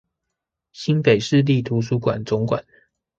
新北市立圖書館總館